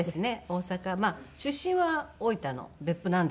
大阪出身は大分の別府なんですけど。